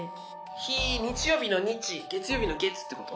日日曜日の「日」月曜日の「月」ってこと？